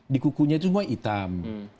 di kukunya itu semua hitam